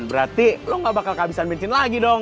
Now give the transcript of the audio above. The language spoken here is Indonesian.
berarti lo gak bakal kehabisan bensin lagi dong